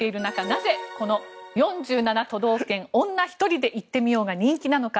なぜ、この「４７都道府県女ひとりで行ってみよう」が人気なのか。